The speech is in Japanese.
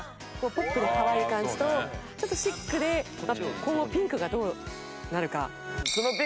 ポップでかわいい感じとちょっとシックでこうピンクがどうなるか。